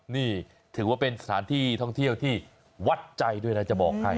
นี่ถือว่าเป็นสถานที่ท่องเที่ยวที่วัดใจด้วยนะจะบอกให้